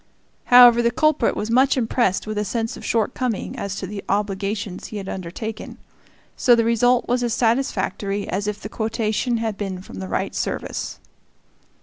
However, the culprit was much impressed with a sense of shortcoming as to the obligations he had undertaken; so the result was as satisfactory as if the quotation had been from the right service.